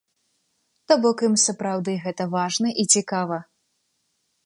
То бок ім сапраўды гэта важна і цікава.